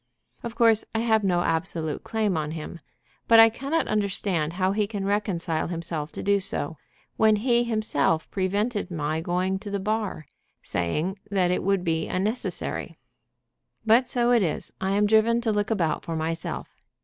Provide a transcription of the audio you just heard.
Of course I have no absolute claim on him. But I cannot understand how he can reconcile himself to do so, when he himself prevented my going to the Bar, saying that it would be unnecessary. "But so it is, I am driven to look about for myself.